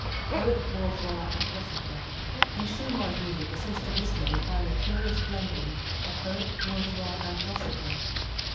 Poet, Bourgeois, and Philosopher. In Schumann's music the sensitive listener will find a curious blending of poet, bourgeois, and philosopher.